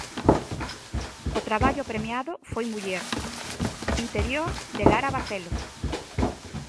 O traballo premiado foi Muller, interior, de Lara Bacelo.